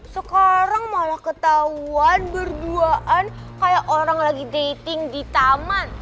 sekarang malah ketahuan berduaan kayak orang lagi dating di taman